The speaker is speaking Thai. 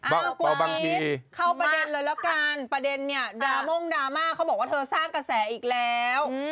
กลัวพีชเข้าประเด็นเลยแล้วกันประเด็นเนี่ยดราม่งดราม่าเขาบอกว่าเธอสร้างกระแสอีกแล้ว